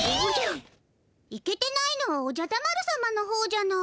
イケてないのはおじゃダ丸様のほうじゃない。